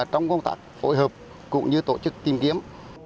trong công tác phối hợp cũng như tổ chức tìm kiếm